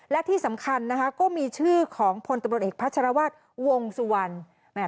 และที่สำคัญนะคะก็มีชื่อของพลตำรวจเอกพัชรวาสวงสุวรรณ